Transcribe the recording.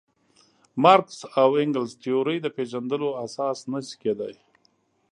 مارکس او انګلز تیورۍ د پېژندلو اساس نه شي کېدای.